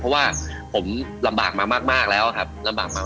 เพราะว่าผมลำบากมามากแล้วครับ